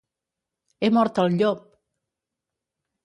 He mort el llop!